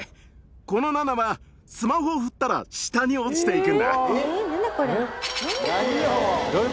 この「７」はスマホを振ったら下に落ちていくんだ。